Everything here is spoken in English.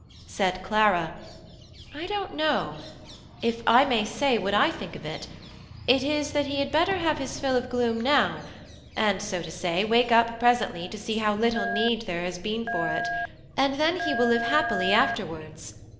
Said Clara: "I don't know. If I may say what I think of it, it is that he had better have his fill of gloom now, and, so to say, wake up presently to see how little need there has been for it; and then he will live happily afterwards.